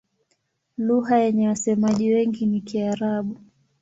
Lugha yenye wasemaji wengi ni Kiarabu.